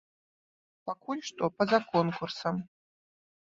Пакуль што па-за конкурсам.